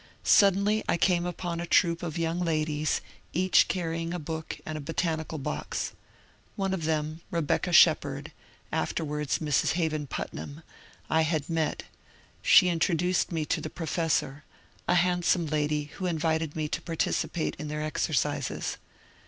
Suddenly I came upon a troop of young ladies, each carrying a book and a botanical box. One of them, Rebecca Shepherd (afterwards Mrs. Haven Putnam), I had met ; she introduced me to the professor — a handsome lady, who invited me to participate in their exercises.